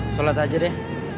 sholat aja deh